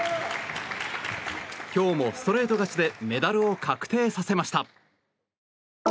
今日もストレート勝ちでメダルを確定させました。